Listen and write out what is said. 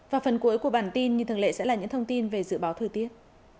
và phần cuối của bản tin như thường lệ sẽ là những thông tin về dự báo thời tiết